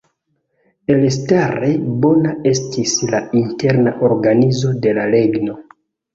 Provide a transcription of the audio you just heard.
Elstare bona estis la interna organizo de la regno.